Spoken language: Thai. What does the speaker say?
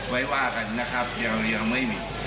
ไว้ว่ากันยังไม่มี